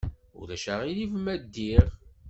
Ulac aɣilif ma ddiɣ?